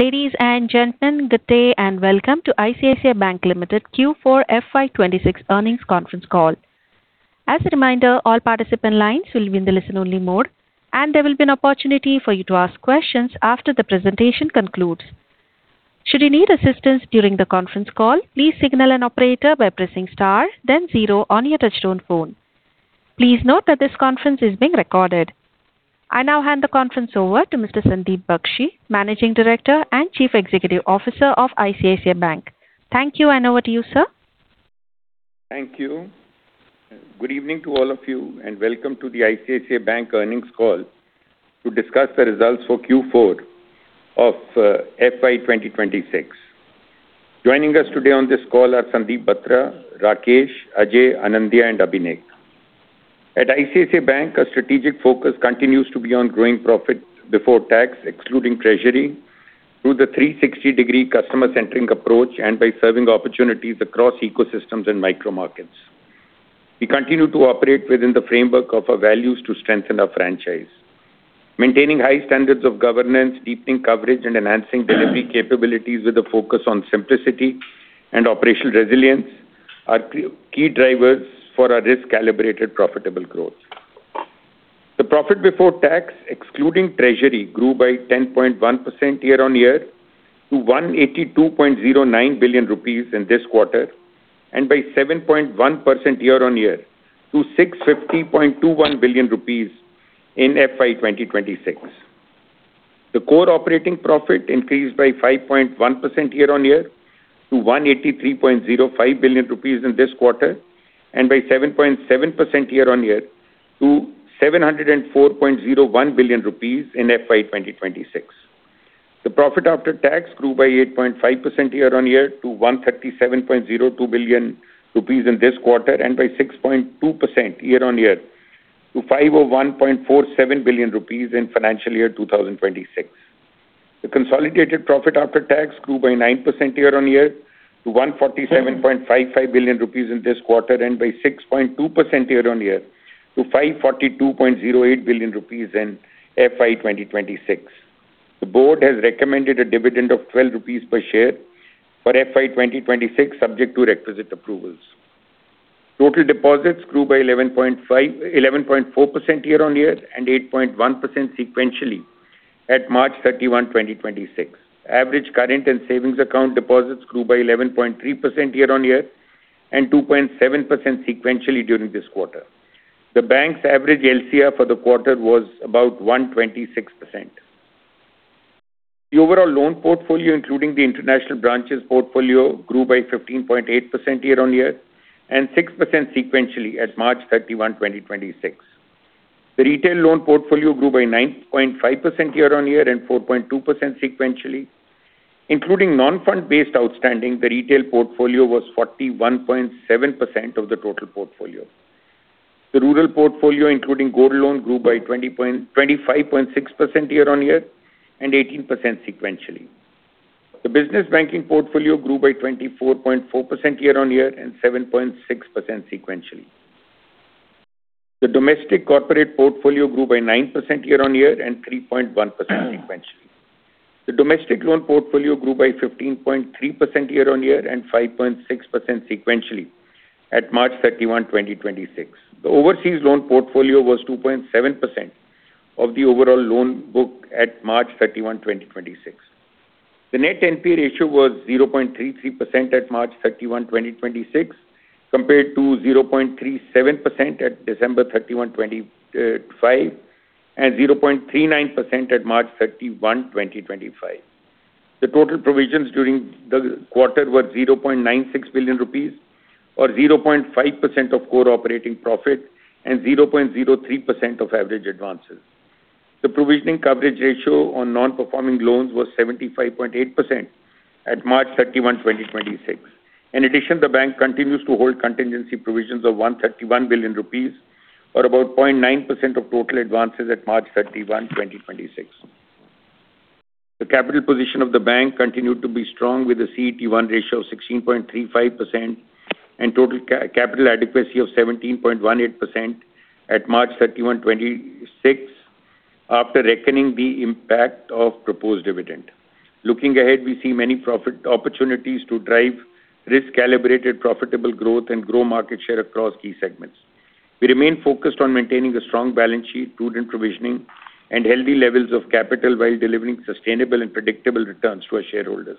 Ladies and gentlemen, good day and welcome to ICICI Bank Limited Q4 FY 2026 earnings conference call. As a reminder, all participant lines will be in the listen-only mode, and there will be an opportunity for you to ask questions after the presentation concludes. Should you need assistance during the conference call, please signal an operator by pressing star then zero on your touch-tone phone. Please note that this conference is being recorded. I now hand the conference over to Mr. Sandeep Bakhshi, Managing Director and Chief Executive Officer of ICICI Bank. Thank you, and over to you, sir. Thank you. Good evening to all of you, and welcome to the ICICI Bank earnings call to discuss the results for Q4 of FY 2026. Joining us today on this call are Sandeep Batra, Rakesh, Ajay, Anindya, and Abhinek. At ICICI Bank, our strategic focus continues to be on growing profit before tax, excluding treasury, through the 360-degree customer-centric approach and by serving opportunities across ecosystems and micro markets. We continue to operate within the framework of our values to strengthen our franchise. Maintaining high standards of governance, deepening coverage, and enhancing delivery capabilities with a focus on simplicity and operational resilience are key drivers for our risk-calibrated profitable growth. The profit before tax, excluding treasury, grew by 10.1% year-on-year to 182.09 billion rupees in this quarter, and by 7.1% year-on-year to 650.21 billion rupees in FY 2026. The core operating profit increased by 5.1% year-on-year to 183.05 billion rupees in this quarter, and by 7.7% year-on-year to 704.01 billion rupees in FY 2026. The profit after tax grew by 8.5% year-on-year to 137.02 billion rupees in this quarter, and by 6.2% year-on-year to 501.47 billion rupees in financial year 2026. The consolidated profit after tax grew by 9% year-on-year to 147.55 billion rupees in this quarter, and by 6.2% year-on-year to 542.08 billion rupees in FY 2026. The board has recommended a dividend of 12 rupees per share for FY 2026, subject to requisite approvals. Total deposits grew by 11.4% year-on-year and 8.1% sequentially at March 31, 2026. Average current and savings account deposits grew by 11.3% year-on-year and 2.7% sequentially during this quarter. The bank's average LCR for the quarter was about 126%. The overall loan portfolio, including the international branches portfolio, grew by 15.8% year-on-year and 6% sequentially at March 31, 2026. The retail loan portfolio grew by 9.5% year-on-year and 4.2% sequentially. Including non-fund-based outstanding, the retail portfolio was 41.7% of the total portfolio. The rural portfolio, including gold loan, grew by 25.6% year-on-year and 18% sequentially. The business banking portfolio grew by 24.4% year-on-year and 7.6% sequentially. The domestic corporate portfolio grew by 9% year-on-year and 3.1% sequentially. The domestic loan portfolio grew by 15.3% year-on-year and 5.6% sequentially at March 31, 2026. The overseas loan portfolio was 2.7% of the overall loan book at March 31, 2026. The net NPA ratio was 0.33% at March 31, 2026, compared to 0.37% at December 31, 2025, and 0.39% at March 31, 2025. The total provisions during the quarter were 0.96 billion rupees or 0.5% of core operating profit and 0.03% of average advances. The provisioning coverage ratio on non-performing loans was 75.8% at March 31, 2026. In addition, the bank continues to hold contingency provisions of 131 billion rupees or about 0.9% of total advances at March 31, 2026. The capital position of the bank continued to be strong with a CET1 ratio of 16.35% and total capital adequacy of 17.18% at March 31, 2026, after reckoning the impact of proposed dividend. Looking ahead, we see many profit opportunities to drive risk-calibrated profitable growth and grow market share across key segments. We remain focused on maintaining a strong balance sheet, prudent provisioning, and healthy levels of capital while delivering sustainable and predictable returns to our shareholders.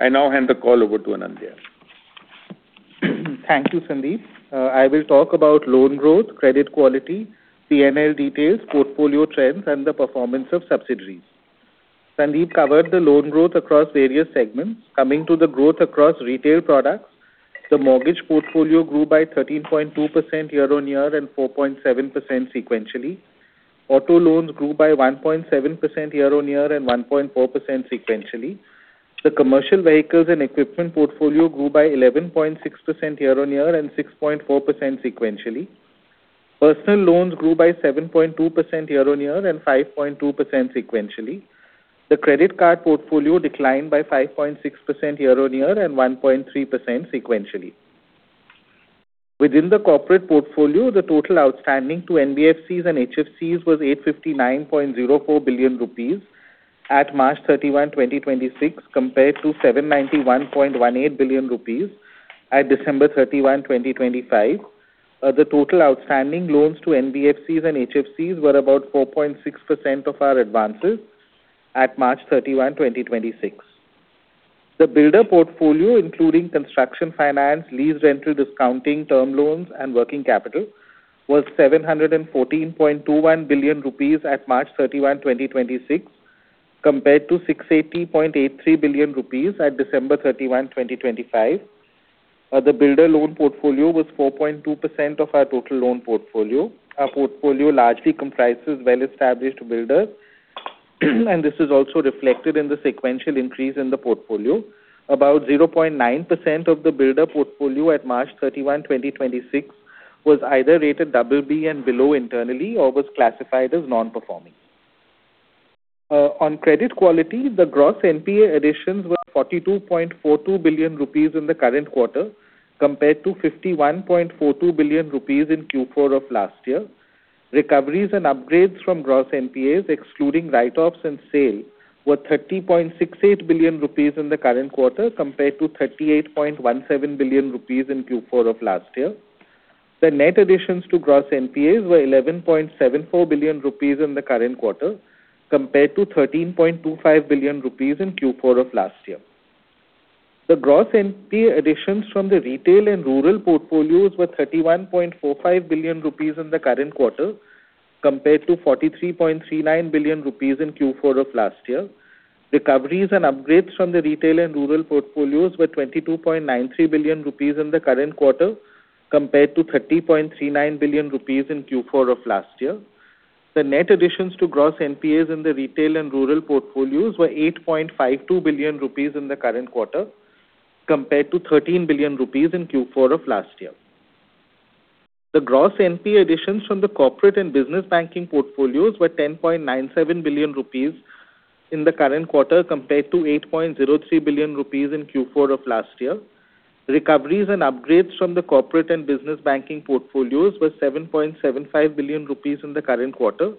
I now hand the call over to Anindya. Thank you, Sandeep. I will talk about loan growth, credit quality, P&L details, portfolio trends, and the performance of subsidiaries. Sandeep covered the loan growth across various segments. Coming to the growth across retail products, the mortgage portfolio grew by 13.2% year-on-year and 4.7% sequentially. Auto loans grew by 1.7% year-on-year and 1.4% sequentially. The commercial vehicles and equipment portfolio grew by 11.6% year-on-year and 6.4% sequentially. Personal loans grew by 7.2% year-on-year and 5.2% sequentially. The credit card portfolio declined by 5.6% year-on-year and 1.3% sequentially. Within the corporate portfolio, the total outstanding to NBFCs and HFCs was 859.04 billion rupees at March 31, 2026, compared to 791.18 billion rupees at December 31, 2025. The total outstanding loans to NBFCs and HFCs were about 4.6% of our advances at March 31, 2026. The builder portfolio, including construction finance, lease, rental discounting, term loans, and working capital, was 714.21 billion rupees at March 31, 2026, compared to 680.83 billion rupees at December 31, 2025. The builder loan portfolio was 4.2% of our total loan portfolio. Our portfolio largely comprises well-established builders, and this is also reflected in the sequential increase in the portfolio. About 0.9% of the builder portfolio at March 31, 2026, was either rated BB and below internally or was classified as non-performing. On credit quality, the gross NPA additions were 42.42 billion rupees in the current quarter, compared to 51.42 billion rupees in Q4 of last year. Recoveries and upgrades from gross NPAs, excluding write-offs and sale, were 30.68 billion rupees in the current quarter, compared to 38.17 billion rupees in Q4 of last year. The net additions to gross NPAs were 11.74 billion rupees in the current quarter, compared to 13.25 billion rupees in Q4 of last year. The gross NPA additions from the retail and rural portfolios were 31.45 billion rupees in the current quarter, compared to 43.39 billion rupees in Q4 of last year. Recoveries and upgrades from the retail and rural portfolios were 22.93 billion rupees in the current quarter, compared to 30.39 billion rupees in Q4 of last year. The net additions to gross NPAs in the retail and rural portfolios were 8.52 billion rupees in the current quarter, compared to 13 billion rupees in Q4 of last year. The gross NPA additions from the corporate and business banking portfolios were 10.97 billion rupees in the current quarter, compared to 8.03 billion rupees in Q4 of last year. Recoveries and upgrades from the corporate and business banking portfolios were 7.75 billion rupees in the current quarter,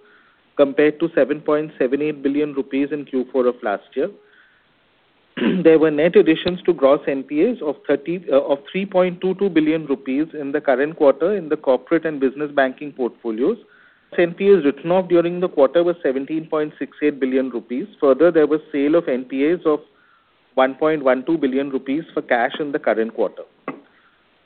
compared to 7.78 billion rupees in Q4 of last year. There were net additions to gross NPAs of 3.22 billion rupees in the current quarter in the corporate and business banking portfolios. NPAs written off during the quarter was 17.68 billion rupees. Further, there was sale of NPAs of 1.12 billion rupees for cash in the current quarter.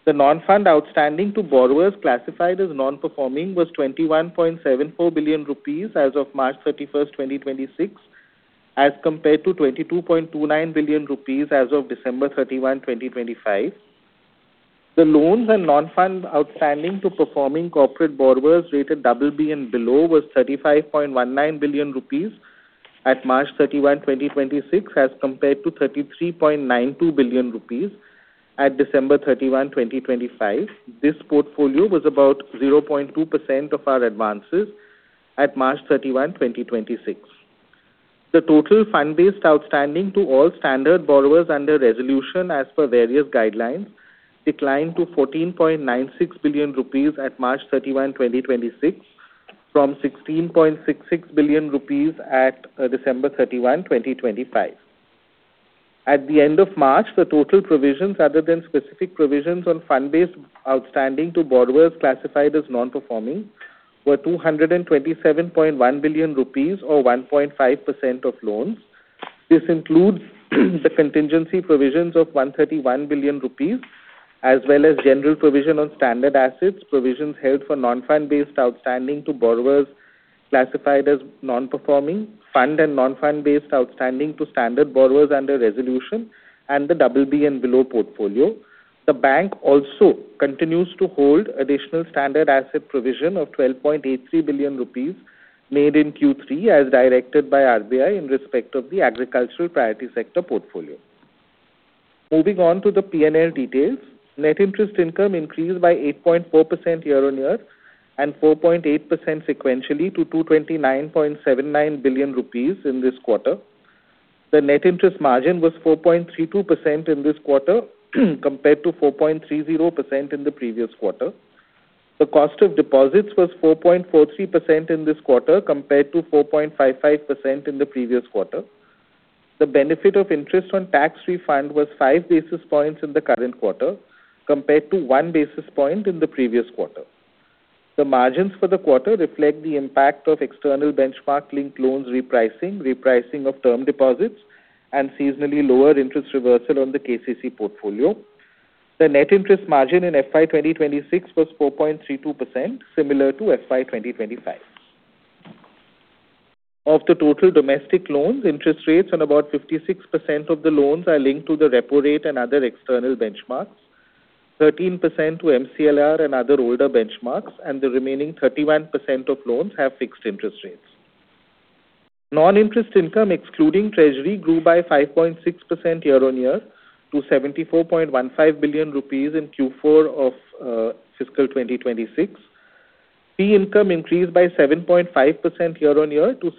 The non-fund outstanding to borrowers classified as non-performing was 21.74 billion rupees as of March 31st, 2026, as compared to 22.29 billion rupees as of December 31, 2025. The loans and non-fund outstanding to performing corporate borrowers rated BB and below was 35.19 billion rupees at March 31, 2026, as compared to 33.92 billion rupees at December 31, 2025. This portfolio was about 0.2% of our advances at March 31, 2026. The total fund based outstanding to all standard borrowers under resolution as per various guidelines declined to 14.96 billion rupees at March 31, 2026, from 16.66 billion rupees at December 31, 2025. At the end of March, the total provisions, other than specific provisions on fund based outstanding to borrowers classified as non-performing, were 227.1 billion rupees or 1.5% of loans. This includes the contingency provisions of 131 billion rupees, as well as general provision on standard assets, provisions held for non-fund based outstanding to borrowers classified as non-performing, fund and non-fund based outstanding to standard borrowers under resolution, and the BB and below portfolio. The bank also continues to hold additional standard asset provision of 12.83 billion rupees made in Q3 as directed by RBI in respect of the agricultural priority sector portfolio. Moving on to the P&L details. Net interest income increased by 8.4% year-over-year and 4.8% sequentially to 229.79 billion rupees in this quarter. The net interest margin was 4.32% in this quarter compared to 4.30% in the previous quarter. The cost of deposits was 4.43% in this quarter, compared to 4.55% in the previous quarter. The benefit of interest on tax refund was 5 basis points in the current quarter, compared to 1 basis point in the previous quarter. The margins for the quarter reflect the impact of external benchmark linked loans repricing of term deposits, and seasonally lower interest reversal on the KCC portfolio. The net interest margin in FY 2026 was 4.32%, similar to FY 2025. Of the total domestic loans, interest rates on about 56% of the loans are linked to the repo rate and other external benchmarks, 13% to MCLR and other older benchmarks, and the remaining 31% of loans have fixed interest rates. Non-interest income, excluding treasury, grew by 5.6% year-on-year to 74.15 billion rupees in Q4 of fiscal 2026. Fee income increased by 7.5% year-on-year to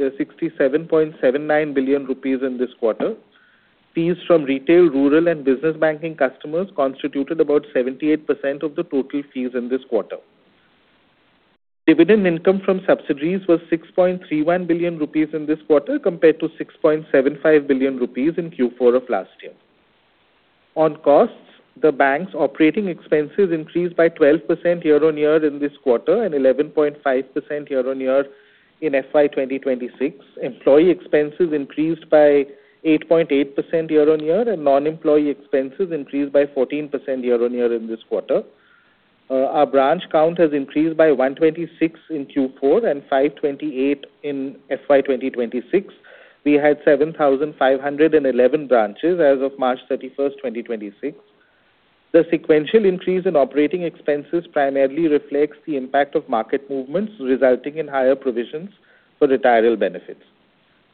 67.79 billion rupees in this quarter. Fees from retail, rural, and business banking customers constituted about 78% of the total fees in this quarter. Dividend income from subsidiaries was 6.31 billion rupees in this quarter, compared to 6.75 billion rupees in Q4 of last year. On costs, the bank's operating expenses increased by 12% year-on-year in this quarter and 11.5% year-on-year in FY 2026. Employee expenses increased by 8.8% year-on-year, and non-employee expenses increased by 14% year-on-year in this quarter. Our branch count has increased by 126 in Q4 and 528 in FY 2026. We had 7,511 branches as of March 31st, 2026. The sequential increase in operating expenses primarily reflects the impact of market movements, resulting in higher provisions for retiral benefits.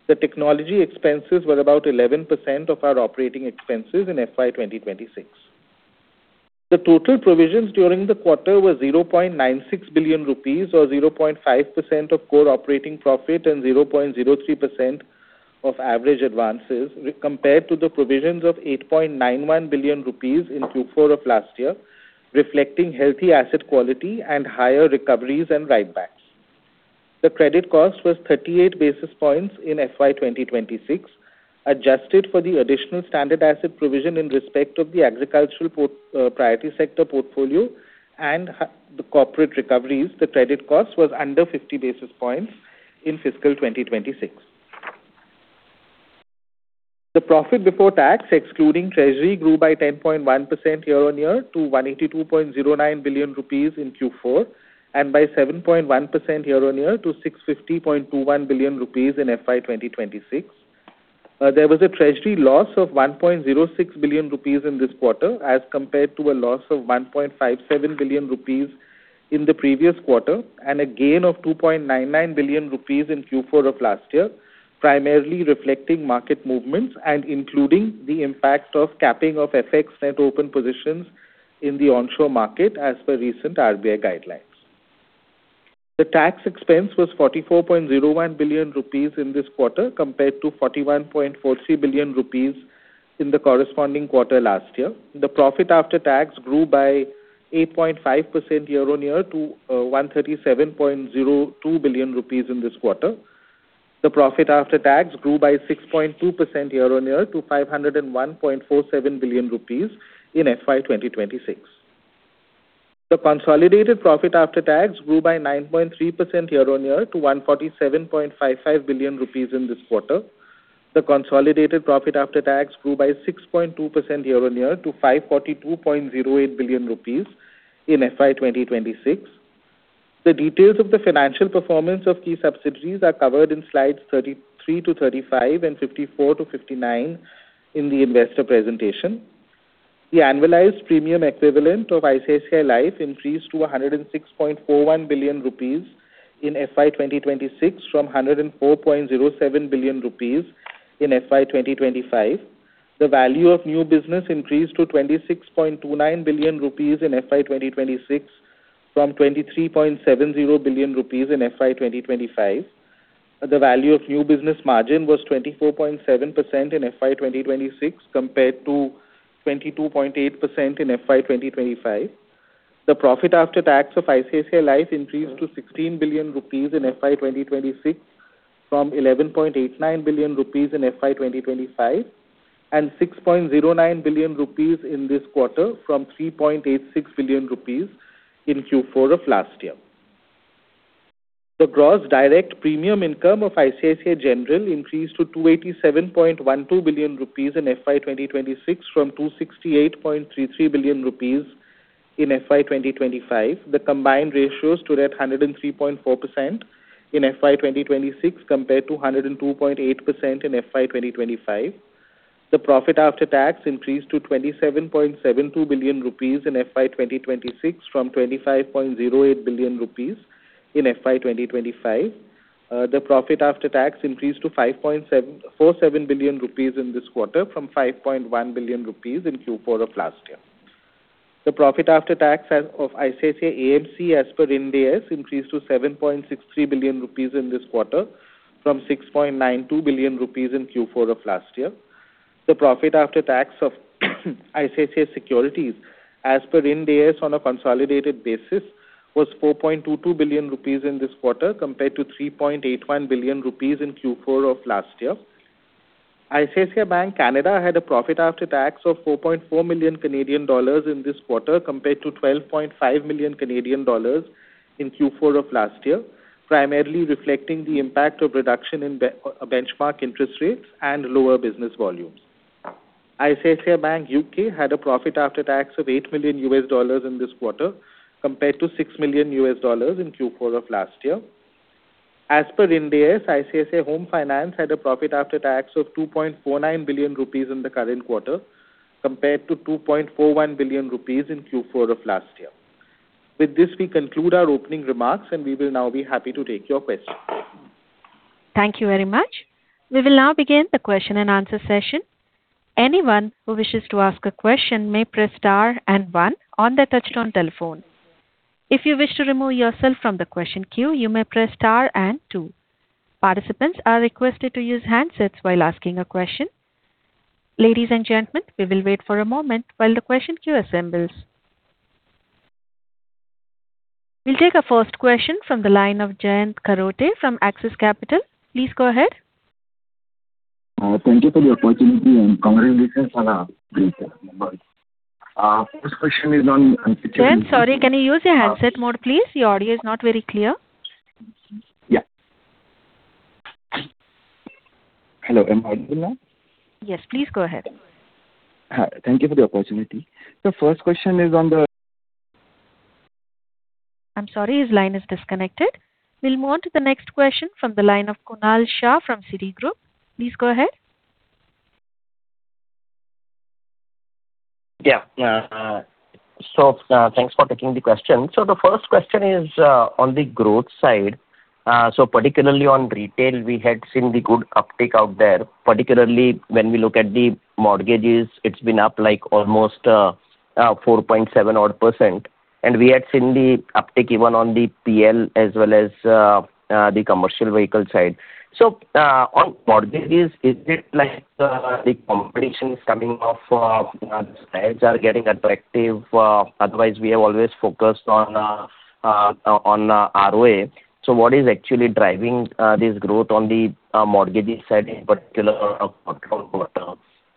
The technology expenses were about 11% of our operating expenses in FY 2026. The total provisions during the quarter were 0.96 billion rupees or 0.5% of core operating profit and 0.03% of average advances compared to the provisions of 8.91 billion rupees in Q4 of last year, reflecting healthy asset quality and higher recoveries and write-backs. The credit cost was 38 basis points in FY 2026, adjusted for the additional standard asset provision in respect of the agricultural priority sector portfolio and the corporate recoveries. The credit cost was under 50 basis points in fiscal 2026. The profit before tax, excluding treasury, grew by 10.1% year-on-year to 182.09 billion rupees in Q4 and by 7.1% year-on-year to 650.21 billion rupees in FY 2026. There was a treasury loss of 1.06 billion rupees in this quarter as compared to a loss of 1.57 billion rupees in the previous quarter and a gain of 2.99 billion rupees in Q4 of last year, primarily reflecting market movements and including the impact of capping of FX net open positions in the onshore market as per recent RBI guidelines. The tax expense was 44.01 billion rupees in this quarter, compared to 41.43 billion rupees in the corresponding quarter last year. The profit after tax grew by 8.5% year-on-year to 137.02 billion rupees in this quarter. The profit after tax grew by 6.2% year-on-year to 501.47 billion rupees in FY 2026. The consolidated profit after tax grew by 9.3% year-on-year to 147.55 billion rupees in this quarter. The consolidated profit after tax grew by 6.2% year-on-year to 542.08 billion rupees in FY 2026. The details of the financial performance of key subsidiaries are covered in slides 33 to 35 and 54 to 59 in the investor presentation. The annualized premium equivalent of ICICI Life increased to 106.41 billion rupees in FY 2026 from 104.07 billion rupees in FY 2025. The value of new business increased to 26.29 billion rupees in FY 2026 from 23.70 billion rupees in FY 2025. The value of new business margin was 24.7% in FY 2026, compared to 22.8% in FY 2025. The profit after tax of ICICI Life increased to 16 billion rupees in FY 2026 from 11.89 billion rupees in FY 2025, and 6.09 billion rupees in this quarter from 3.86 billion rupees in Q4 of last year. The gross direct premium income of ICICI General increased to 287.12 billion rupees in FY 2026 from 268.33 billion rupees in FY 2025. The combined ratios stood at 103.4% in FY 2026, compared to 102.8% in FY 2025. The profit after tax increased to 27.72 billion rupees in FY 2026 from 25.08 billion rupees in FY 2025. The profit after tax increased to 5.47 billion rupees in this quarter from 5.1 billion rupees in Q4 of last year. The profit after tax of ICICI AMC as per Ind AS increased to 7.63 billion rupees in this quarter from 6.92 billion rupees in Q4 of last year. The profit after tax of ICICI Securities, as per Ind AS on a consolidated basis, was 4.22 billion rupees in this quarter, compared to 3.81 billion rupees in Q4 of last year. ICICI Bank Canada had a profit after tax of 4.4 million Canadian dollars in this quarter, compared to 12.5 million Canadian dollars in Q4 of last year, primarily reflecting the impact of reduction in benchmark interest rates and lower business volumes. ICICI Bank U.K. had a profit after tax of $8 million in this quarter, compared to $6 million in Q4 of last year. As per Ind AS, ICICI Home Finance had a profit after tax of 2.49 billion rupees in the current quarter, compared to 2.41 billion rupees in Q4 of last year. With this, we conclude our opening remarks, and we will now be happy to take your questions. Thank you very much. We will now begin the question-and-answer session. Anyone who wishes to ask a question may press star and one on their touchtone telephone. If you wish to remove yourself from the question queue, you may press star and two. Participants are requested to use handsets while asking a question. Ladies and gentlemen, we will wait for a moment while the question queue assembles. We'll take our first question from the line of Jayant Kharote from Axis Capital. Please go ahead. Thank you for the opportunity and congratulations on a great set of numbers. First question is on. Jayant, sorry, can you use your handset mode, please? Your audio is not very clear. Yeah. Hello, am I audible now? Yes. Please go ahead. Thank you for the opportunity. T0he first question is on the— I'm sorry, his line is disconnected. We'll move on to the next question from the line of Kunal Shah from Citigroup. Please go ahead. Yeah. Thanks for taking the question. The first question is on the growth side. Particularly on retail, we had seen the good uptick out there, particularly when we look at the mortgages, it's been up almost 4.7 odd%. We had seen the uptick even on the PL as well as the commercial vehicle side. On mortgages, is it like the competition is coming off, the sides are getting attractive? Otherwise, we have always focused on ROA. What is actually driving this growth on the mortgages side in particular quarter-over-quarter?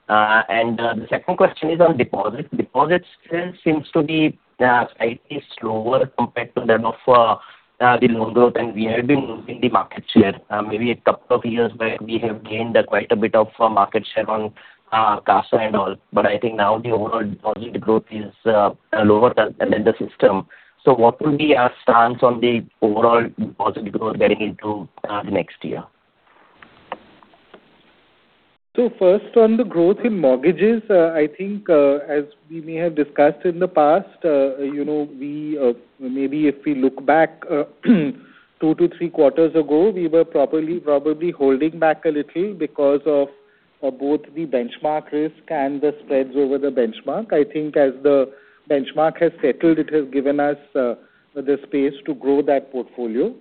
The second question is on deposits. Deposits still seems to be slightly slower compared to that of the loan growth and we have been losing the market share. Maybe a couple of years back, we have gained quite a bit of market share on CASA and all, but I think now the overall deposit growth is lower than the system. What will be our stance on the overall deposit growth getting into next year? First on the growth in mortgages, I think, as we may have discussed in the past, maybe if we look back 2-3 quarters ago, we were probably holding back a little because of both the benchmark risk and the spreads over the benchmark. I think as the benchmark has settled, it has given us the space to grow that portfolio.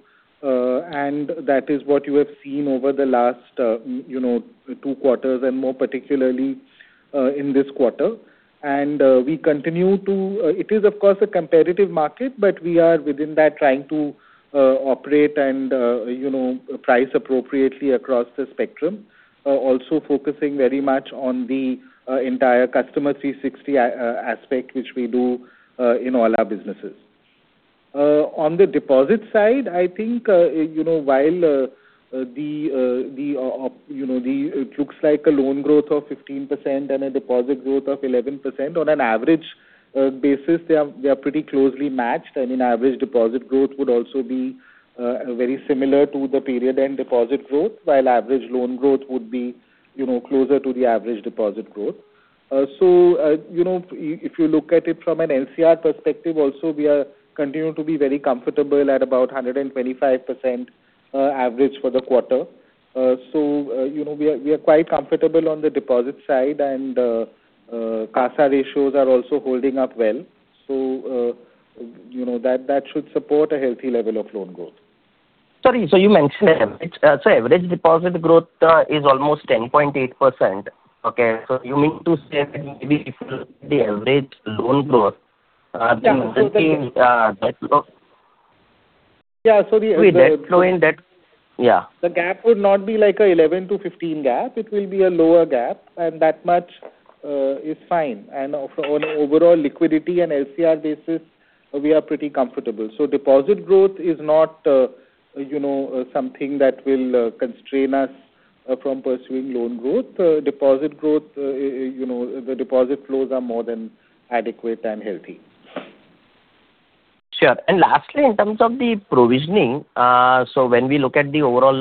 That is what you have seen over the last two quarters and more particularly, in this quarter. It is, of course, a competitive market, but we are within that trying to operate and price appropriately across the spectrum. Also focusing very much on the entire customer 360 aspect, which we do in all our businesses. On the deposit side, I think, while it looks like a loan growth of 15% and a deposit growth of 11%, on an average basis, they are pretty closely matched, and an average deposit growth would also be very similar to the period end deposit growth, while average loan growth would be closer to the average deposit growth. If you look at it from an LCR perspective also, we are continuing to be very comfortable at about 125% average for the quarter. We are quite comfortable on the deposit side, and CASA ratios are also holding up well. That should support a healthy level of loan growth. Sorry. You mentioned the average deposit growth is almost 10.8%, okay? You mean to say that maybe if the average loan growth- Yeah. Yeah. The gap would not be like a 11-15 gap. It will be a lower gap and that much is fine. On overall liquidity and LCR basis, we are pretty comfortable. Deposit growth is not something that will constrain us from pursuing loan growth. The deposit flows are more than adequate and healthy. Sure. Lastly, in terms of the provisioning, when we look at the overall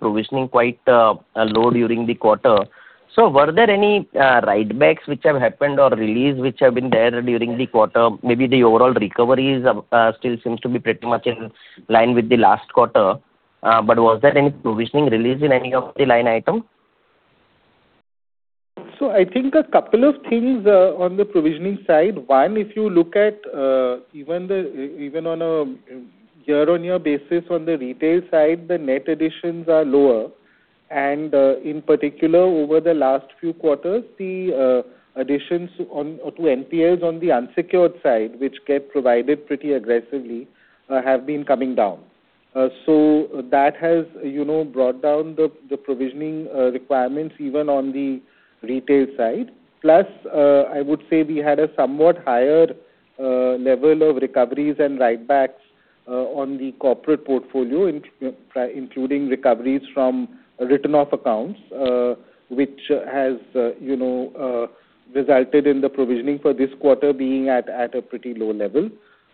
provisioning, quite low during the quarter. Were there any write-backs which have happened or release which have been there during the quarter? Maybe the overall recoveries still seems to be pretty much in line with the last quarter. Was there any provisioning release in any of the line item? I think a couple of things on the provisioning side. One, if you look at even on a year-on-year basis on the retail side, the net additions are lower. In particular, over the last few quarters, the additions to NPLs on the unsecured side, which get provided pretty aggressively, have been coming down. That has brought down the provisioning requirements even on the retail side. Plus, I would say we had a somewhat higher level of recoveries and write-backs on the corporate portfolio, including recoveries from written-off accounts, which has resulted in the provisioning for this quarter being at a pretty low level.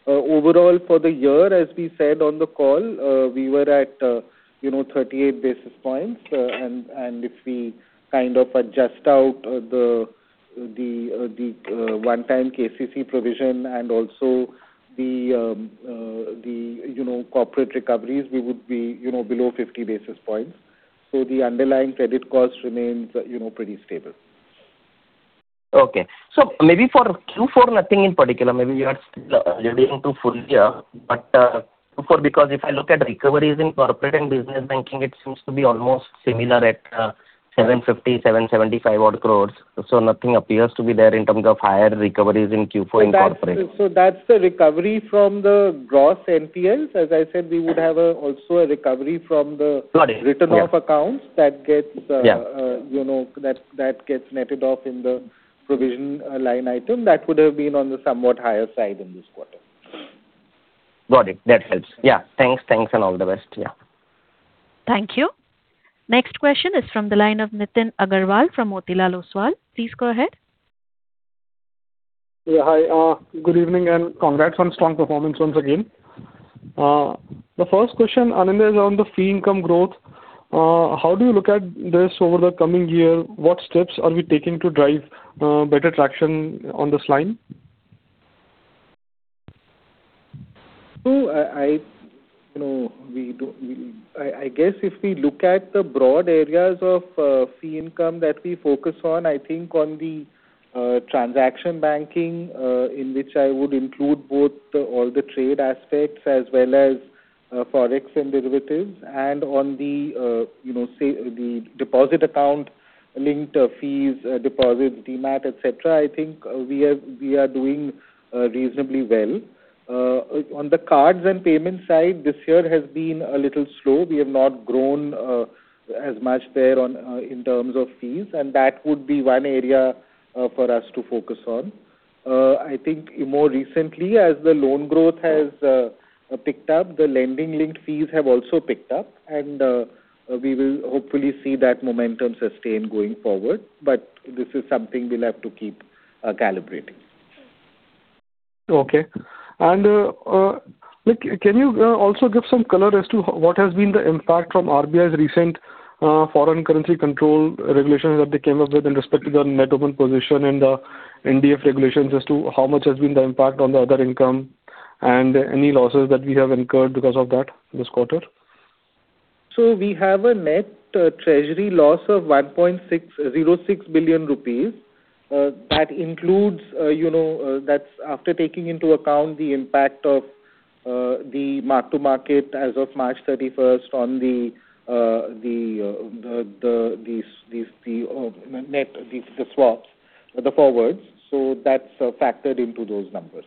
Overall for the year, as we said on the call, we were at 38 basis points. If we kind of adjust out the one-time KCC provision and also the corporate recoveries, we would be below 50 basis points. The underlying credit cost remains pretty stable. Okay. Maybe for Q4, nothing in particular, maybe we are still leading to full year. Q4, because if I look at recoveries in corporate and business banking, it seems to be almost similar at 750,000, 775,000 odd crores. Nothing appears to be there in terms of higher recoveries in Q4 in corporate. That's the recovery from the gross NPLs. As I said, we would have also a recovery from the— Got it. Yeah. Written off accounts that gets. Yeah That gets netted off in the provision line item. That would have been on the somewhat higher side in this quarter. Got it. That helps. Yeah. Thanks, and all the best. Yeah. Thank you. Next question is from the line of Nitin Aggarwal from Motilal Oswal. Please go ahead. Yeah. Hi. Good evening, and congrats on strong performance once again. The first question, Anindya, is on the fee income growth. How do you look at this over the coming year? What steps are we taking to drive better traction on this line? I guess if we look at the broad areas of fee income that we focus on, I think on the transaction banking, in which I would include both all the trade aspects as well as Forex and derivatives, and on the deposit account linked fees, deposit, Demat, et cetera, I think we are doing reasonably well. On the cards and payment side, this year has been a little slow. We have not grown as much there in terms of fees, and that would be one area for us to focus on. I think more recently, as the loan growth has picked up, the lending linked fees have also picked up, and we will hopefully see that momentum sustained going forward. This is something we'll have to keep calibrating. Okay. Can you also give some color as to what has been the impact from RBI's recent foreign currency control regulations that they came up with in respect to the net open position and the NDF regulations as to how much has been the impact on the other income and any losses that we have incurred because of that this quarter? We have a net treasury loss of 1.06 billion rupees. That's after taking into account the impact of the mark-to-market as of March 31st on the net, the swaps, the forwards. That's factored into those numbers.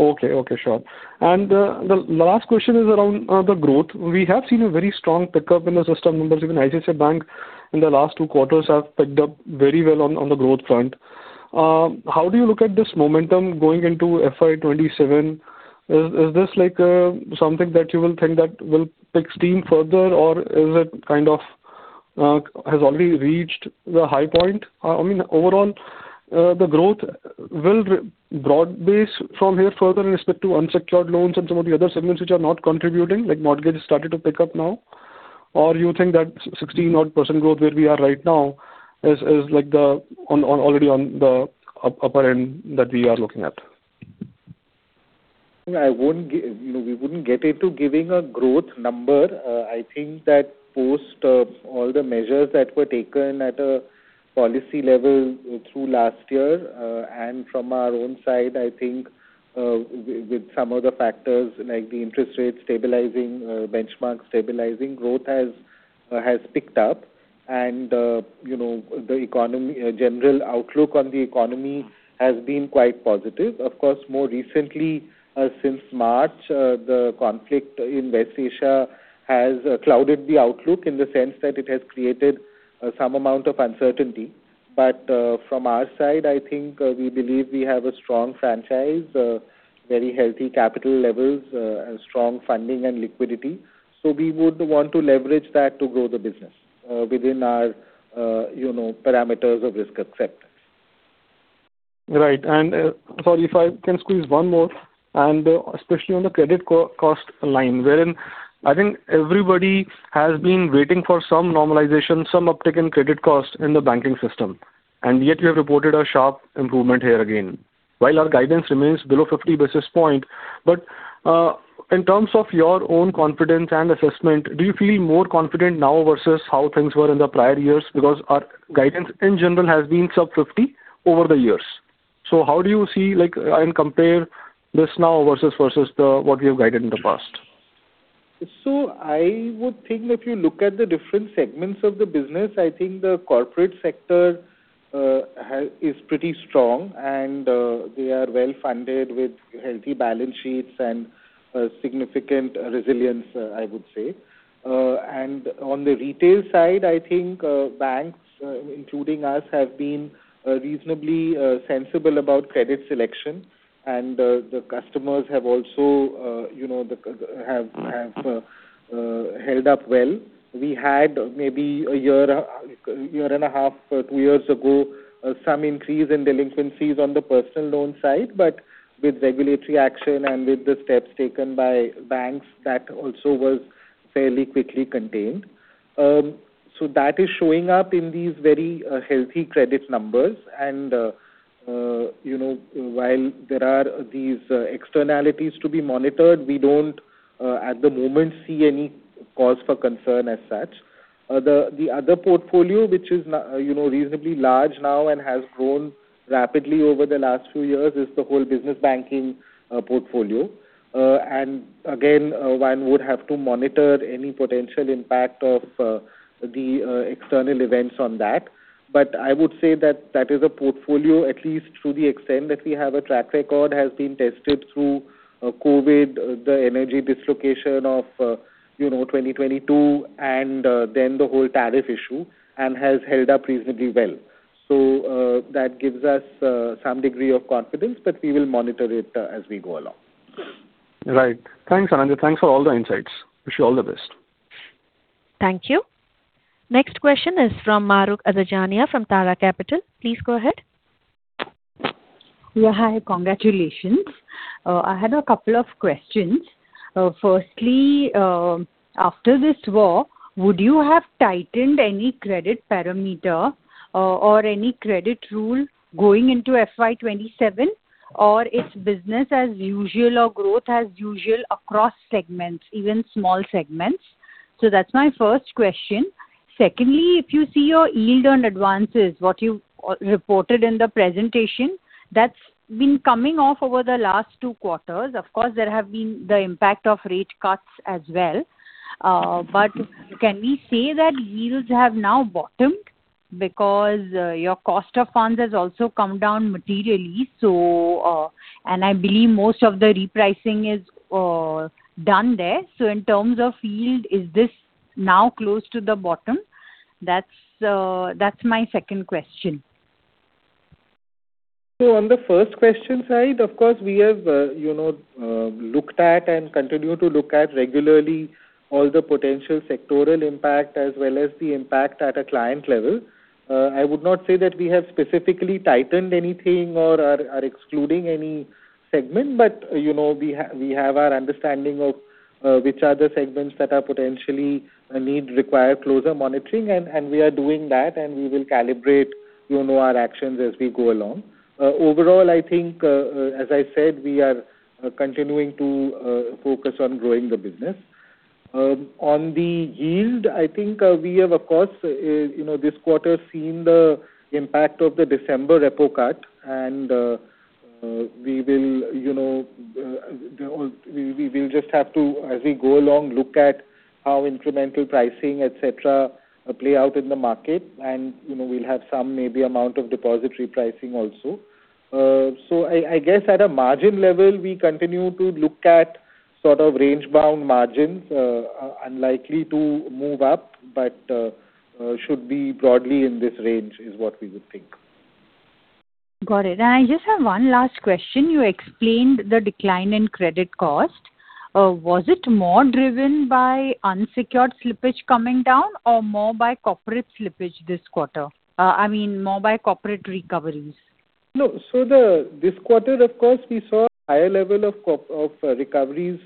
Okay. Sure. The last question is around the growth. We have seen a very strong pickup in the system numbers. Even ICICI Bank in the last two quarters have picked up very well on the growth front. How do you look at this momentum going into FY 2027? Is this something that you will think that will pick up steam further or is it kind of has already reached the high point? Overall, the growth will broad base from here further in respect to unsecured loans and some of the other segments which are not contributing, like mortgage has started to pick up now. Or you think that 16-odd% growth where we are right now is already on the upper end that we are looking at? We wouldn't get into giving a growth number. I think that post all the measures that were taken at a policy level through last year, and from our own side, I think with some of the factors like the interest rate stabilizing, benchmark stabilizing, growth has picked up and the general outlook on the economy has been quite positive. Of course, more recently since March, the conflict in West Asia has clouded the outlook in the sense that it has created some amount of uncertainty. From our side, I think we believe we have a strong franchise, very healthy capital levels, and strong funding and liquidity. We would want to leverage that to grow the business within our parameters of risk acceptance. Right. Sorry if I can squeeze one more, and especially on the credit cost line, wherein I think everybody has been waiting for some normalization, some uptick in credit cost in the banking system, and yet you have reported a sharp improvement here again. While our guidance remains below 50 basis points, but in terms of your own confidence and assessment, do you feel more confident now versus how things were in the prior years? Because our guidance in general has been sub 50 over the years. How do you see and compare this now versus what we have guided in the past? I would think if you look at the different segments of the business, I think the corporate sector is pretty strong, and they are well-funded with healthy balance sheets and significant resilience, I would say. On the retail side, I think banks, including us, have been reasonably sensible about credit selection and the customers have also held up well. We had maybe a year and a half, two years ago, some increase in delinquencies on the personal loan side, but with regulatory action and with the steps taken by banks, that also was fairly quickly contained. That is showing up in these very healthy credit numbers. While there are these externalities to be monitored, we don't, at the moment, see any cause for concern as such. The other portfolio, which is reasonably large now and has grown rapidly over the last few years, is the whole business banking portfolio. Again, one would have to monitor any potential impact of the external events on that. I would say that that is a portfolio, at least to the extent that we have a track record, has been tested through COVID, the energy dislocation of 2022, and then the whole tariff issue, and has held up reasonably well. That gives us some degree of confidence, but we will monitor it as we go along. Right. Thanks, Anindya. Thanks for all the insights. Wish you all the best. Thank you. Next question is from Mahrukh Adajania from Nuvama Wealth Management. Please go ahead. Yeah. Hi. Congratulations. I had a couple of questions. Firstly, after this quarter, would you have tightened any credit parameter or any credit rule going into FY 2027, or it's business as usual or growth as usual across segments, even small segments? So that's my first question. Secondly, if you see your yield on advances, what you've reported in the presentation, that's been coming off over the last two quarters. Of course, there have been the impact of rate cuts as well. Can we say that yields have now bottomed? Because your cost of funds has also come down materially. I believe most of the repricing is done there. In terms of yield, is this now close to the bottom? That's my second question. On the first question side, of course, we have looked at and continue to look at regularly all the potential sectoral impact as well as the impact at a client level. I would not say that we have specifically tightened anything or are excluding any segment. We have our understanding of which are the segments that potentially require closer monitoring, and we are doing that, and we will calibrate our actions as we go along. Overall, I think, as I said, we are continuing to focus on growing the business. On the yield, I think we have, of course, this quarter seen the impact of the December repo cut, and we will just have to, as we go along, look at how incremental pricing, et cetera, play out in the market, and we'll have some maybe amount of deposit repricing also. I guess at a margin level, we continue to look at sort of range-bound margins, unlikely to move up, but should be broadly in this range is what we would think. Got it. I just have one last question. You explained the decline in credit cost. Was it more driven by unsecured slippage coming down or more by corporate slippage this quarter? I mean, more by corporate recoveries. No. This quarter, of course, we saw a higher level of recoveries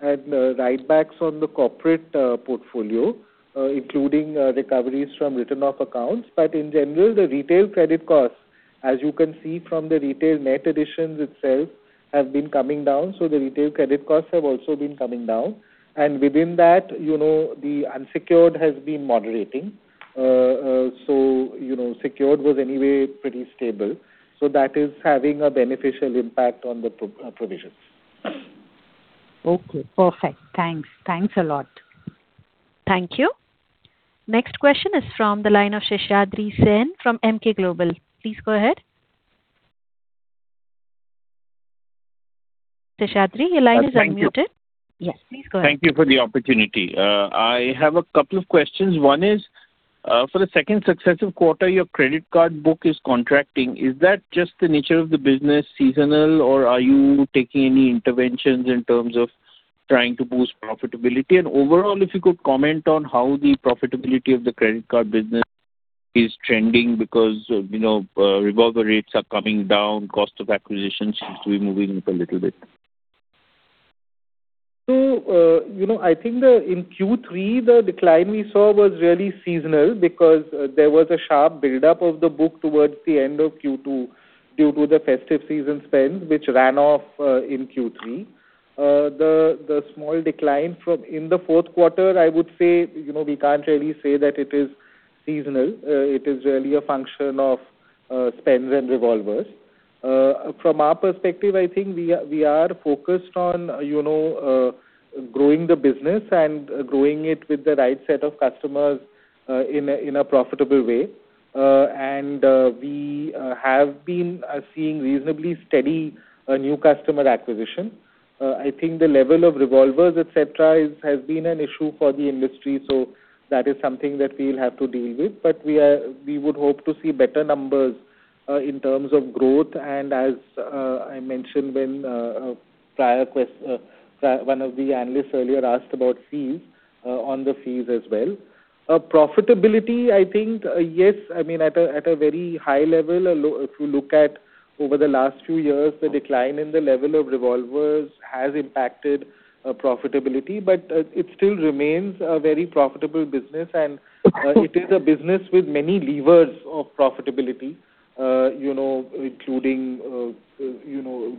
and write-backs on the corporate portfolio, including recoveries from written-off accounts. In general, the retail credit costs, as you can see from the retail net additions itself, have been coming down. The retail credit costs have also been coming down, and within that, the unsecured has been moderating. Secured was anyway pretty stable. That is having a beneficial impact on the provisions. Okay. Perfect. Thanks. Thanks a lot. Thank you. Next question is from the line of Seshadri Sen from Emkay Global. Please go ahead. Seshadri, your line is unmuted. Thank you. Yes, please go ahead. Thank you for the opportunity. I have a couple of questions. One is, for the second successive quarter, your credit card book is contracting. Is that just the nature of the business, seasonal, or are you taking any interventions in terms of trying to boost profitability? Overall, if you could comment on how the profitability of the credit card business is trending because revolver rates are coming down, cost of acquisition seems to be moving up a little bit. I think in Q3, the decline we saw was really seasonal because there was a sharp buildup of the book towards the end of Q2 due to the festive season spends, which ran off in Q3. The small decline in the fourth quarter, I would say, we can't really say that it is seasonal. It is really a function of spends and revolvers. From our perspective, I think we are focused on growing the business and growing it with the right set of customers in a profitable way. We have been seeing reasonably steady new customer acquisition. I think the level of revolvers, et cetera, has been an issue for the industry, so that is something that we'll have to deal with. We would hope to see better numbers in terms of growth, and as I mentioned when one of the analysts earlier asked about fees, on the fees as well. Profitability, I think, yes. I mean, at a very high level, if you look at over the last few years, the decline in the level of revolvers has impacted profitability, but it still remains a very profitable business, and it is a business with many levers of profitability. You know, including on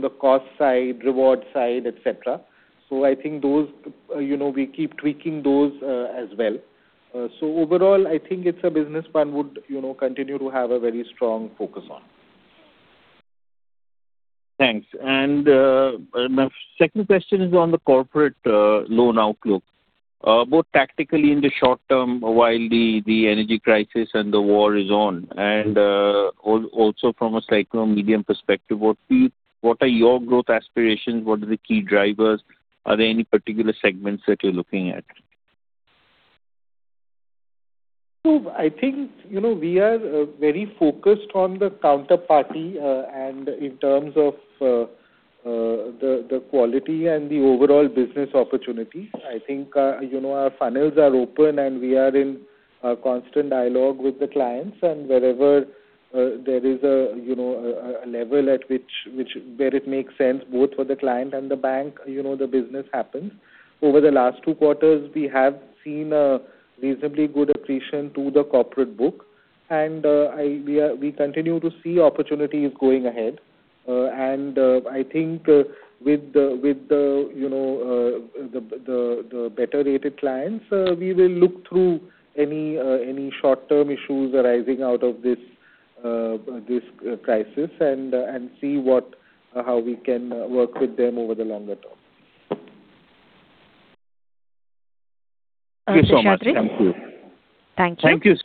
the cost side, reward side, et cetera. I think we keep tweaking those as well. Overall, I think it's a business one would continue to have a very strong focus on. Thanks. My second question is on the corporate loan outlook. Both tactically in the short term, while the energy crisis and the war is on, and also from a cyclical medium-term perspective, what are your growth aspirations? What are the key drivers? Are there any particular segments that you're looking at? I think we are very focused on the counterparty, and in terms of the quality and the overall business opportunity. I think our funnels are open, and we are in a constant dialogue with the clients and wherever there is a level at which where it makes sense both for the client and the bank, the business happens. Over the last two quarters, we have seen a reasonably good accretion to the corporate book. We continue to see opportunities going ahead. I think with the better-rated clients, we will look through any short-term issues arising out of this crisis and see how we can work with them over the longer term. Thank you so much. Thank you. Thank you.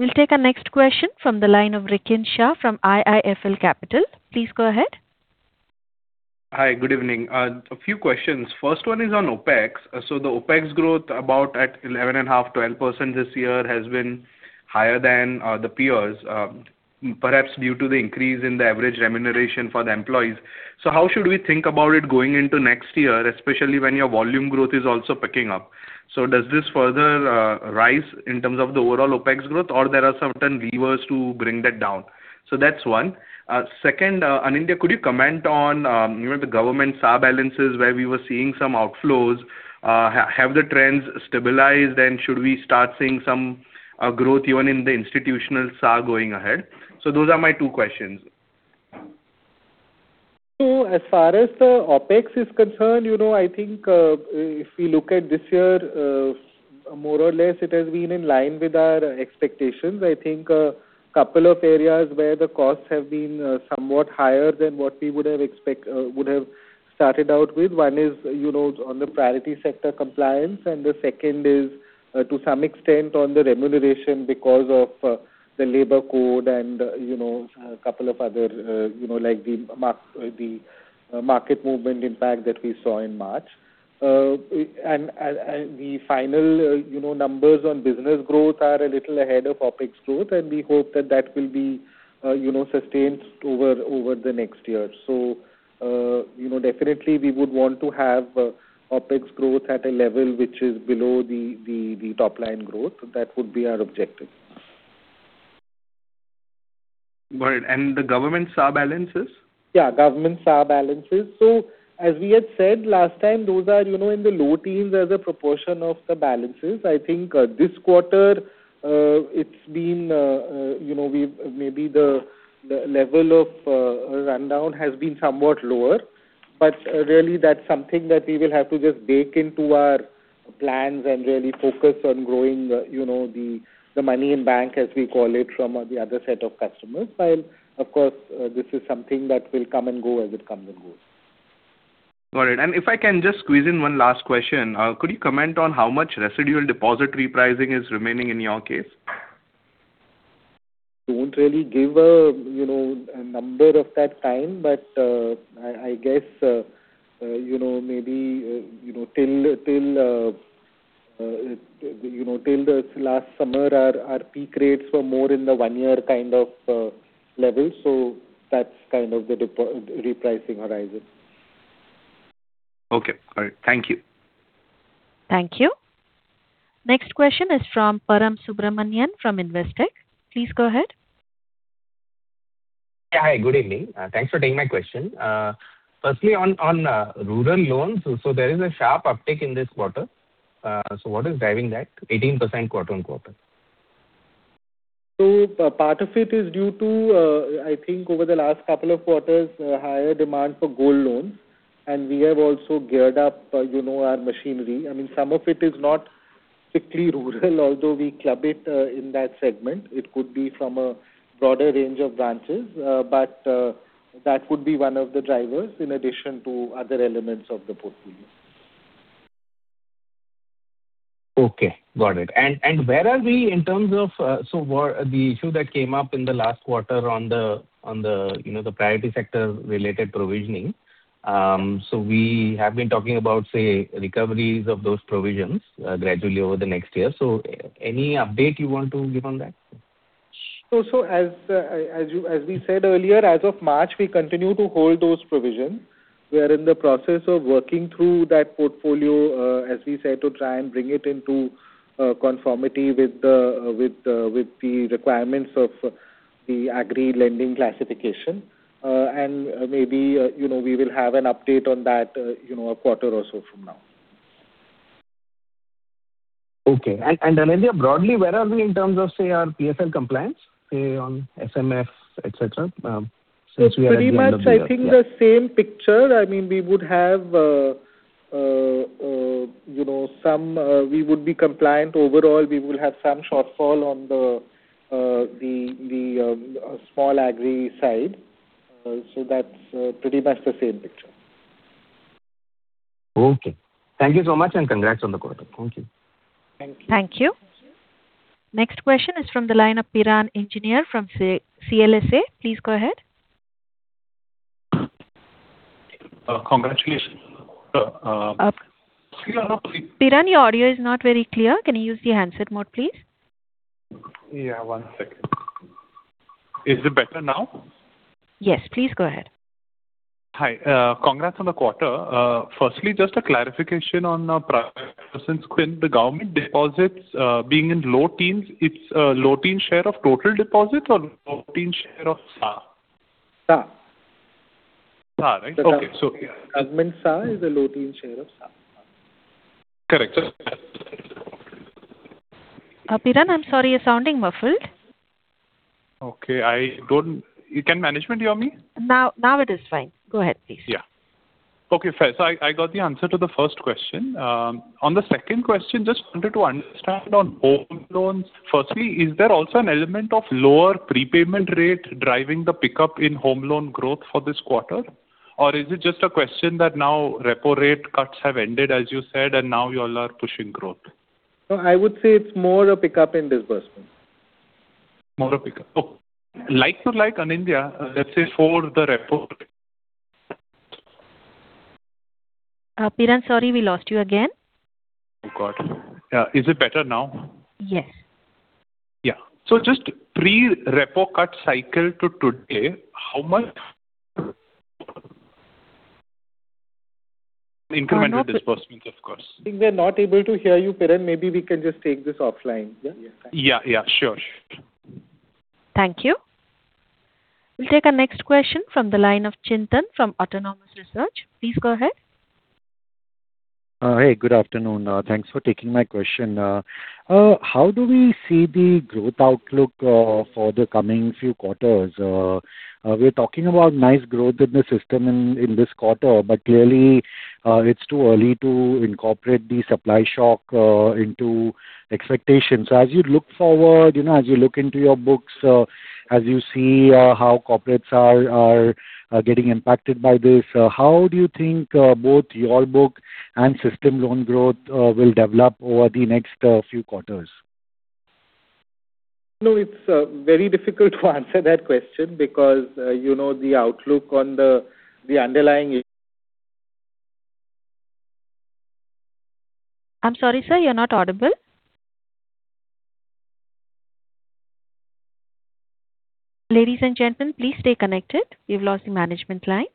Thank you. We'll take our next question from the line of Rikin Shah from IIFL Capital. Please go ahead. Hi. Good evening. A few questions. First one is on OpEx. The OpEx growth about at 11.5%-12% this year has been higher than the peers, perhaps due to the increase in the average remuneration for the employees. How should we think about it going into next year, especially when your volume growth is also picking up? Does this further rise in terms of the overall OpEx growth or there are certain levers to bring that down? That's one. Second, Anindya, could you comment on the government SA balances where we were seeing some outflows? Have the trends stabilized and should we start seeing some growth even in the institutional SA going ahead? Those are my two questions. As far as OpEx is concerned, I think if we look at this year, more or less it has been in line with our expectations. I think a couple of areas where the costs have been somewhat higher than what we would have started out with. One is on the priority sector compliance and the second is to some extent on the remuneration because of the labor code and a couple of other like the market movement impact that we saw in March. The final numbers on business growth are a little ahead of OpEx growth and we hope that that will be sustained over the next year. Definitely we would want to have OpEx growth at a level which is below the top line growth. That would be our objective. Got it. The government SA balances? Yeah, government SA balances. As we had said last time, those are in the low teens% as a proportion of the balances. I think this quarter it's been maybe the level of rundown has been somewhat lower. Really that's something that we will have to just bake into our plans and really focus on growing the money in bank, as we call it, from the other set of customers. While of course, this is something that will come and go as it comes and goes. Got it. If I can just squeeze in one last question. Could you comment on how much residual deposit repricing is remaining in your case? Don't really give a number of that kind but I guess maybe till the last summer, our peak rates were more in the one year kind of level. That's kind of the repricing horizon. Okay. All right. Thank you. Thank you. Next question is from Param Subramanian from Investec. Please go ahead. Yeah. Hi, good evening. Thanks for taking my question. Firstly, on rural loans. There is a sharp uptick in this quarter. What is driving that 18% quarter-over-quarter? Part of it is due to, I think over the last couple of quarters, higher demand for gold loans. We have also geared up our machinery. Some of it is not strictly rural, although we club it in that segment. It could be from a broader range of branches. That could be one of the drivers in addition to other elements of the portfolio. Okay. Got it. Where are we in terms of the issue that came up in the last quarter on the priority sector related provisioning? We have been talking about, say, recoveries of those provisions gradually over the next year. Any update you want to give on that? As we said earlier, as of March, we continue to hold those provisions. We are in the process of working through that portfolio, as we said, to try and bring it into conformity with the requirements of the agreed lending classification. Maybe we will have an update on that a quarter or so from now. Okay. Anindya, broadly, where are we in terms of, say, our PSL compliance, say, on SMFs, et cetera? Since we are at the end of the year. Pretty much, I think the same picture. We would be compliant overall. We will have some shortfall on the small agri side. That's pretty much the same picture. Okay. Thank you so much, and congrats on the quarter. Thank you. Thank you. Thank you. Next question is from the line of Piran Engineer from CLSA. Please go ahead. Congratulations. Piran, your audio is not very clear. Can you use the handset mode, please? Yeah, one second. Is it better now? Yes. Please go ahead. Hi. Congrats on the quarter. Firstly, just a clarification on the government deposits, being in low teens. It's a low teen share of total deposit or low teen share of SA? SA. SA. Okay. Our SA is a low-teens share of SA. Correct. Piran, I'm sorry, you're sounding muffled. Okay. Can management hear me? Now it is fine. Go ahead, please. Yeah. Okay, fair. I got the answer to the first question. On the second question, just wanted to understand on home loans. Firstly, is there also an element of lower prepayment rate driving the pickup in home loan growth for this quarter? Or is it just a question that now repo rate cuts have ended, as you said, and now you all are pushing growth? No, I would say it's more a pickup in disbursement. More a pickup. Okay. Like to like, Anindya, let's say for the repo Piran, sorry, we lost you again. Oh, God. Is it better now? Yes. Yeah. Just pre-repo cut cycle to today, how much incremental disbursements, of course? I think they're not able to hear you, Piran. Maybe we can just take this offline. Yeah? Yeah, sure. Thank you. We'll take our next question from the line of Chintan from Autonomous Research. Please go ahead. Hey, good afternoon. Thanks for taking my question. How do we see the growth outlook for the coming few quarters? We're talking about nice growth in the system in this quarter, but clearly it's too early to incorporate the supply shock into expectations. As you look forward, as you look into your books, as you see how corporates are getting impacted by this, how do you think both your book and system loan growth will develop over the next few quarters? It's very difficult to answer that question because the outlook on the underlying is. I'm sorry, sir, you're not audible. Ladies and gentlemen, please stay connected. We've lost the management line.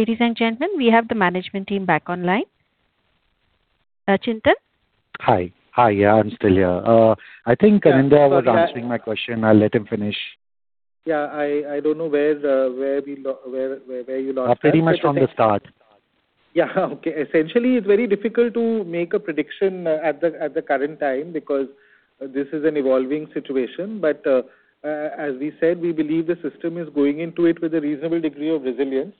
Ladies and gentlemen, we have the management team back online. Chintan? Hi. Yeah, I'm still here. I think Anindya was answering my question. I'll let him finish. Yeah, I don't know where you lost me. Pretty much from the start. Yeah. Okay. Essentially, it's very difficult to make a prediction at the current time because this is an evolving situation. As we said, we believe the system is going into it with a reasonable degree of resilience.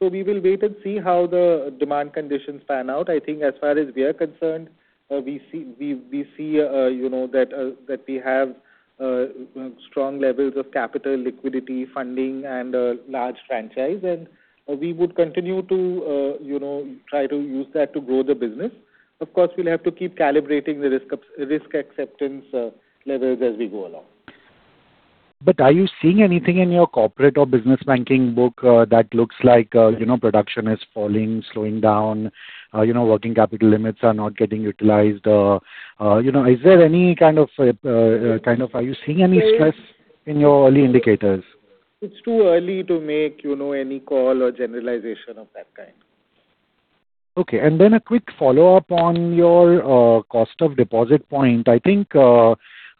We will wait and see how the demand conditions pan out. I think as far as we are concerned, we see that we have strong levels of capital liquidity funding and a large franchise, and we would continue to try to use that to grow the business. Of course, we'll have to keep calibrating the risk acceptance levels as we go along. Are you seeing anything in your corporate or business banking book that looks like production is falling, slowing down, working capital limits are not getting utilized? Are you seeing any stress in your early indicators? It's too early to make any call or generalization of that kind. Okay. A quick follow-up on your cost of deposit point. I think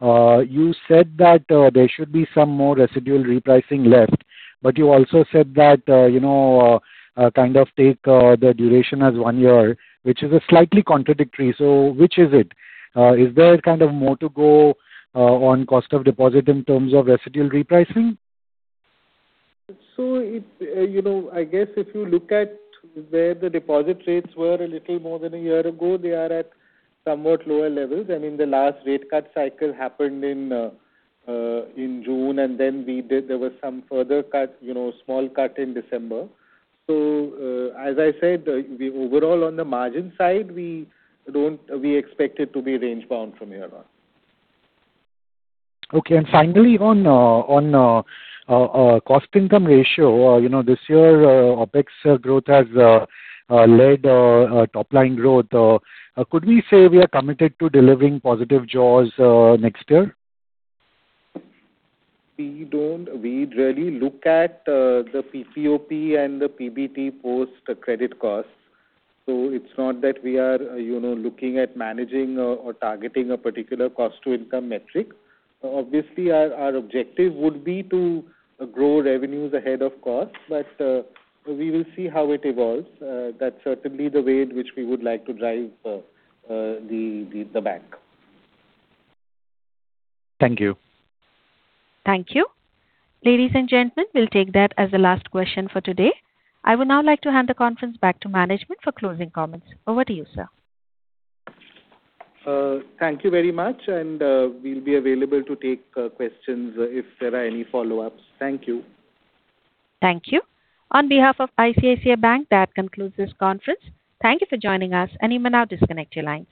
you said that there should be some more residual repricing left, but you also said that, kind of take the duration as one year, which is slightly contradictory. Which is it? Is there kind of more to go on cost of deposit in terms of residual repricing? I guess if you look at where the deposit rates were a little more than a year ago, they are at somewhat lower levels. I mean, the last rate cut cycle happened in June, and then there was some further cut, small cut in December. As I said, overall on the margin side, we expect it to be range-bound from here on. Okay. Finally, on cost-income ratio, this year, OpEx growth has led top-line growth. Could we say we are committed to delivering positive jaws next year? We really look at the PPOP and the PBT post-credit costs. It's not that we are looking at managing or targeting a particular cost-to-income metric. Obviously, our objective would be to grow revenues ahead of costs. We will see how it evolves. That's certainly the way in which we would like to drive the bank. Thank you. Thank you. Ladies and gentlemen, we'll take that as the last question for today. I would now like to hand the conference back to management for closing comments. Over to you, sir. Thank you very much, and we'll be available to take questions if there are any follow-ups. Thank you. Thank you. On behalf of ICICI Bank, that concludes this conference. Thank you for joining us, and you may now disconnect your lines.